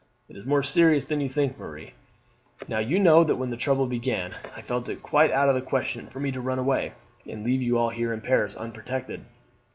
"It is more serious than you think, Marie. Now you know that when the trouble began I felt it quite out of the question for me to run away, and leave you all here in Paris unprotected.